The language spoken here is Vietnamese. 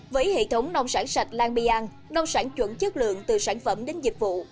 với hệ thống nông sản sạch lan bi an nông sản chuẩn chất lượng từ sản phẩm đến dịch vụ